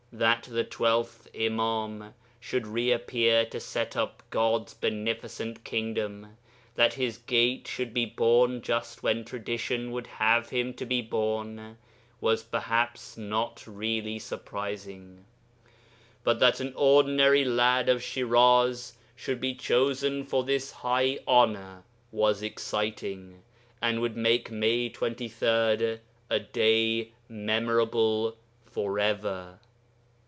That the twelfth Imam should reappear to set up God's beneficent kingdom, that his 'Gate' should be born just when tradition would have him to be born, was perhaps not really surprising; but that an ordinary lad of Shiraz should be chosen for this high honour was exciting, and would make May 23rd a day memorable for ever.